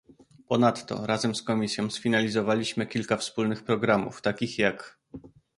Ponadto razem z Komisją sfinalizowaliśmy kilka wspólnych programów, takich jak